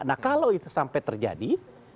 nah kalau itu sampai terjadi